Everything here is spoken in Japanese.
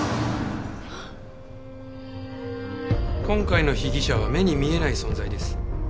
今回の被疑者は目に見えない存在です。